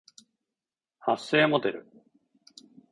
発声モデル